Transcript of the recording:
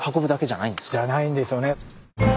じゃないんですよね。